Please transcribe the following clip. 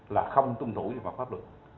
là không tung thủ về bạc pháp luật